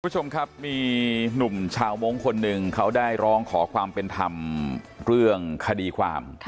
คุณผู้ชมครับมีหนุ่มชาวมงค์คนหนึ่งเขาได้ร้องขอความเป็นธรรมเรื่องคดีความ